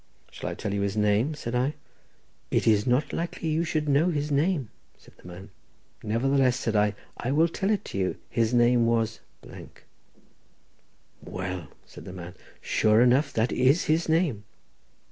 "Shall I tell you his name?" said I. "It is not likely you should know his name," said the man. "Nevertheless," said I, "I will tell it you—his name was —." "Well," said the man, "sure enough that is his name."